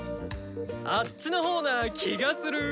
あっちの方な気がする。